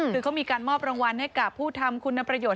คือเขามีการมอบรางวัลให้กับผู้ทำคุณประโยชน